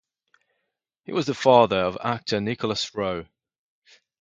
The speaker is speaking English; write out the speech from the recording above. He was the father of actor Nicholas Rowe.